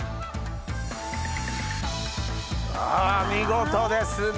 あ見事ですね